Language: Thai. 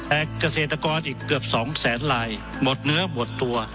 แต่เกษตรกรอีกเกือบสองแสนลายหมดเนื้อหมดตัว